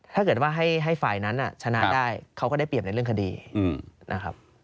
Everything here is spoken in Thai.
ถ้าเกิดว่าให้ฝ่ายนั้นชนะได้เขาก็ได้เปรียบในเรื่องคดีนะครับ